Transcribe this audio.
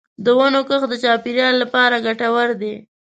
د ونو کښت د چاپېریال لپاره ګټور دی.